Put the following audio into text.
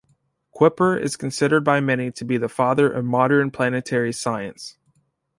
Kuiper is considered by many to be the father of modern planetary science.